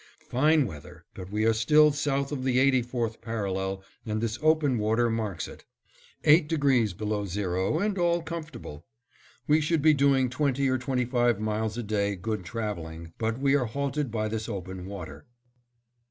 Fine weather, but we are still south of the 84th parallel and this open water marks it. 8° below zero and all comfortable. We should be doing twenty or twenty five miles a day good traveling, but we are halted by this open water.